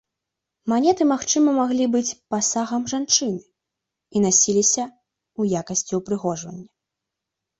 Манеты магчыма маглі быць пасагам жанчыны, і насіліся ў якасці ўпрыгожвання.